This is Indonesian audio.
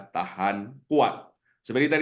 tahan kuat seperti tadi